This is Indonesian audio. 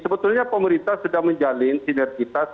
sebetulnya pemerintah sudah menjalin sinergitas